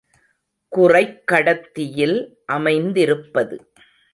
குறைக் கடத்தியில் அமைந்திருப்பது.